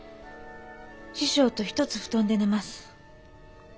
師匠と一つ布団で寝ます。